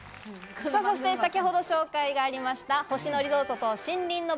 そして先程紹介がありました、星野リゾートと森林ノ